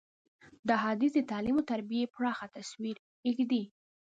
دا حدیث د تعلیم او تربیې پراخه تصویر ږدي.